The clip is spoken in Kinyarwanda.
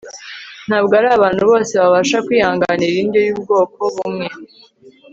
ntabwo ari abantu bose babasha kwihanganira indyo y'ubwoko bumwe